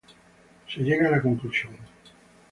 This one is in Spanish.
Se llega a la conclusión